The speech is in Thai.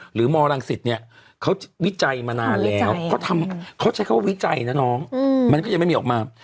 หรือมรังสิตเนี่ยเขาวิจัยมานานแล้วเขาใช้คำว่าวิจัยนะน้องมันก็ยังไม่มีออกมา